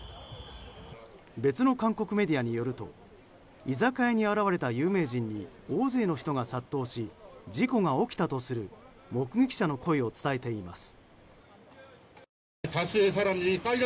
別の韓国メディアによると居酒屋に現れた有名人に大勢の人が殺到し事故が起きたとする目撃者の声を伝えています。